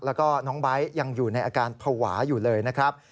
แล้วก็น้องไบท์ยังอยู่ในอาการภาวะอยู่เลยนะครับ